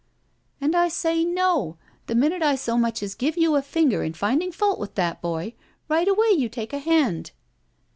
"And I say *no'! The minute I so much as give you a finger in finding fault with that boy, right away you take a hand!"